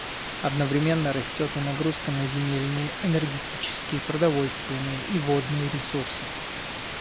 Одновременно растет и нагрузка на земельные, энергетические, продовольственные и водные ресурсы.